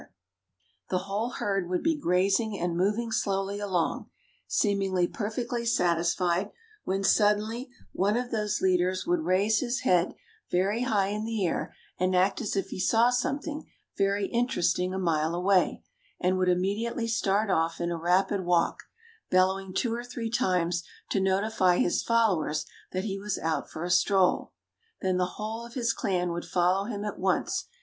[Illustration: BRITTANY. COPYRIGHT 1900, BY A. W. MUMFORD, CHICAGO] The whole herd would be grazing and moving slowly along, seemingly perfectly satisfied, when suddenly one of those leaders would raise his head very high in the air and act as if he saw something very interesting a mile away and would immediately start off in a rapid walk, bellowing two or three times to notify his followers that he was out for a stroll. Then the whole of his clan would follow him at once.